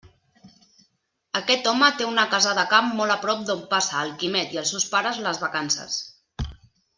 Aquest home té una casa de camp molt a prop d'on passa el Quimet i els seus pares les vacances.